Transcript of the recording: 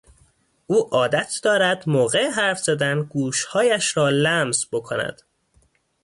او عادت دارد موقع حرف زدن گوشهایش را لمس بکند.